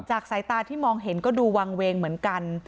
สายตาที่มองเห็นก็ดูวางเวงเหมือนกัน